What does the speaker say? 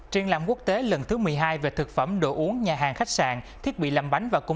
triên lạm quốc tế lần thứ một mươi hai về thực phẩm đồ uống nhà hàng khách sạn thiết bị làm bánh và cung ứng